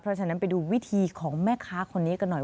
เพราะฉะนั้นไปดูวิธีของแม่ค้าคนนี้กันหน่อย